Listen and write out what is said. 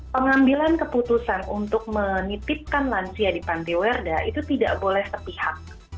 pengambilan keputusan untuk menitipkan lansia di pantiwerda itu tidak boleh sepihak